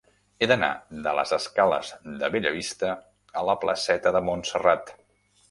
He d'anar de les escales de Bellavista a la placeta de Montserrat.